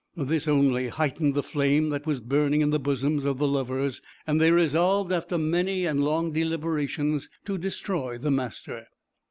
This only heightened the flame that was burning in the bosoms of the lovers; and they resolved, after many and long deliberations, to destroy the master.